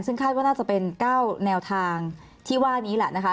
ซึ่งคาดว่าน่าจะเป็น๙แนวทางที่ว่านี้แหละนะคะ